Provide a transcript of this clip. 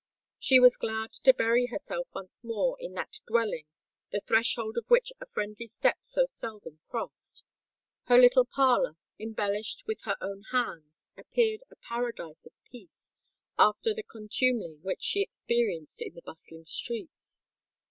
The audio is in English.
She was glad to bury herself once more in that dwelling the threshold of which a friendly step so seldom crossed: her little parlour, embellished with her own hands, appeared a paradise of peace after the contumely which she experienced in the bustling streets.